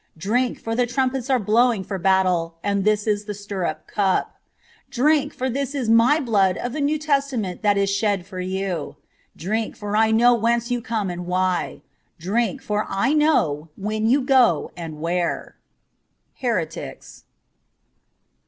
Drink, for the trumpets are blowing for battle, and this is the stirrup cup. Drink, for this is my blood of the New Testament that is shed for you. Drink, for I know whence you come and why. Drink, for I know when you go and where.' '■Heretics.''